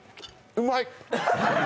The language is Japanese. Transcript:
うまい。